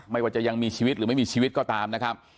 ไม่ว่าจะยังมีชีวิตหรือไม่มีชีวิตก็ตามนะครับ